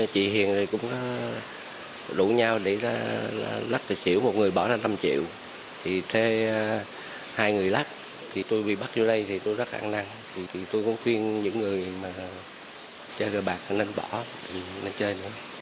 chị hiền cũng đủ nhau để lắc tự xỉu một người bỏ ra năm triệu thế hai người lắc tôi bị bắt vô đây tôi rất ăn năng tôi cũng khuyên những người chơi rơi bạc nên bỏ nên chơi nữa